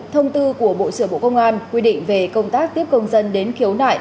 thông tư của bộ trưởng bộ công an quy định về công tác tiếp công dân đến khiếu nại